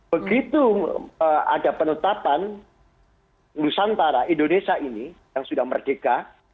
begitu ada penetapan nusantara indonesia ini yang sudah merdeka